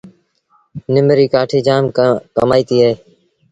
نم ريٚ ڪآٺيٚ جآم ڪمآئيٚتيٚ اهي۔